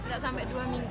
gak sampai dua minggu